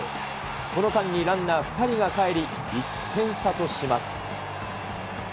この間にランナー２人がかえり、１点差とします。